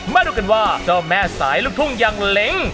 มาดูกันว่าเจ้าแม่สายลูกทุ่งยังเล้ง